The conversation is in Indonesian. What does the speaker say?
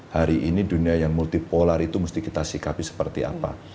hari ini dunia yang multipolar itu mesti kita sikapi seperti apa